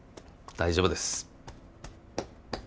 大丈夫です。